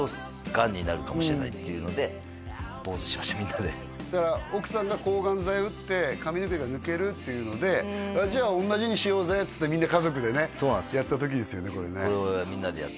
がんになるかもしれないっていうので坊主にしましたみんなでだから奥さんが抗がん剤打って髪の毛が抜けるっていうのでじゃあ同じにしようぜっつってみんな家族でねやった時ですよね